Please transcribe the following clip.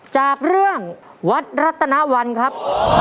จากเรื่องวัดรัตนวันครับ